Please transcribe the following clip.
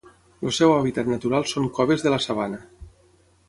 El seu hàbitat natural són coves de la sabana.